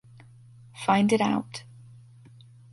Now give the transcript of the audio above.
Find it out!